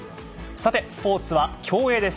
さて、スポーツは競泳です。